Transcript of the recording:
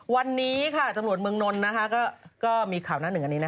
วันนี้ค่ะตำรวจเมืองนนท์ก็มีข่าวหน้าหนึ่งอันนี้